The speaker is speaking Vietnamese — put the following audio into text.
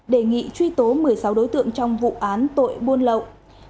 đề nghị truy tố một mươi sáu đối tượng trong vụ án tội buôn lậu